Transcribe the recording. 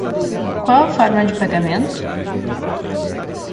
Qual a forma de pagamento.